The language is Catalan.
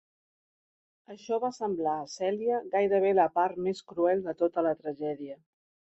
Això va semblar a Cèlia gairebé la part més cruel de tota la tragèdia.